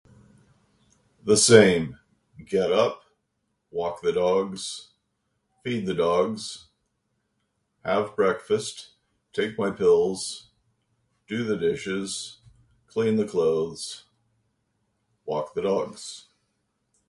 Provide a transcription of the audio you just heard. The same: get up, walk the dogs, feed the dogs, have breakfast, take my pills, do the dishes, clean the clothes, walk the dogs.